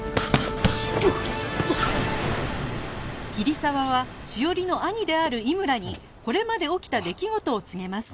桐沢は史織の兄である井村にこれまで起きた出来事を告げます